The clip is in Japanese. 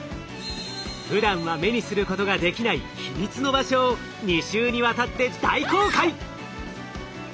ふだんは目にすることができない秘密の場所を２週にわたって大公開！